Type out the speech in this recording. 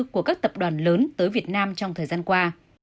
của các tập đoàn lớn tới việt nam trong thời gian qua